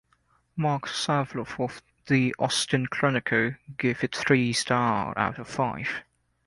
Marc Savlov of "The Austin Chronicle" gave it three stars out of five.